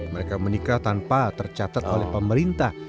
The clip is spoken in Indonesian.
mereka menikah tanpa tercatat oleh pemerintah